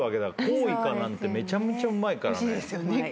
コウイカなんてめちゃめちゃうまいからね。